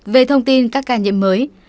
về thông tin các ca nhiễm mới